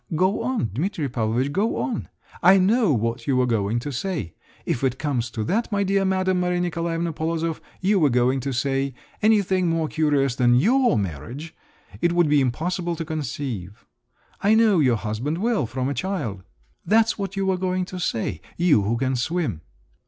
"Go on, Dimitri Pavlovitch, go on—I know what you were going to say. 'If it comes to that, my dear madam, Maria Nikolaevna Polozov,' you were going to say, 'anything more curious than your marriage it would be impossible to conceive…. I know your husband well, from a child!' That's what you were going to say, you who can swim!"